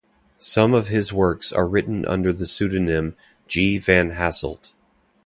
Some of his works are written under the pseudonym G. van Hasselt.